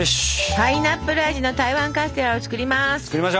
パイナップル味の台湾カステラを作ります。